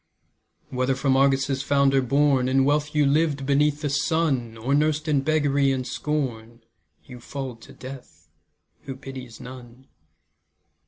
Whether from Argos' founder born In wealth you lived beneath the sun, Or nursed in beggary and scorn, You fall to Death, who pities none.